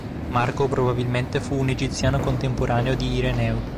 Marco probabilmente fu un egiziano contemporaneo di Ireneo.